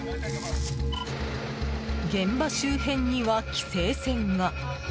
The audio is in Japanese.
現場周辺には規制線が。